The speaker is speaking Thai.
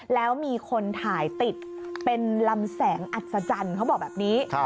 แล้วมีคนถ่ายติดเป็นลำแสงอัศจรรย์เขาบอกแบบนี้